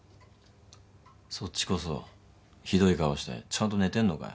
そっちこそひどい顔してちゃんと寝てんのかよ。